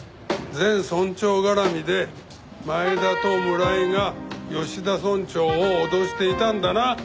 前村長絡みで前田と村井が吉田村長を脅していたんだな？